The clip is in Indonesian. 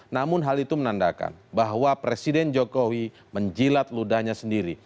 namun hal itu menandakan bahwa presiden jokowi menjilat ludahnya sendiri